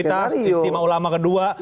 istimewa ulama kedua bukan